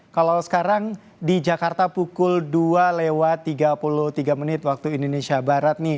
kalau sekarang di jakarta pukul dua lewat tiga puluh tiga menit waktu indonesia barat nih